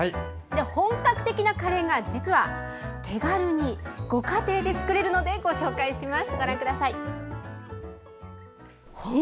本格的なカレーが実は、手軽にご家庭で作れるのでご紹介します。